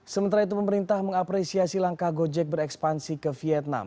sementara itu pemerintah mengapresiasi langkah gojek berekspansi ke vietnam